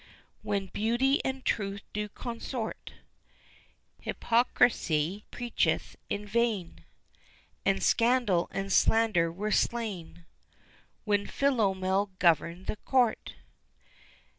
When Beauty and Truth do consort, Hypocrisy preacheth in vain, And Scandal and Slander were slain When Philomel governed the Court.